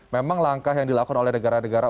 memang langkah yang dilakukan oleh negara negara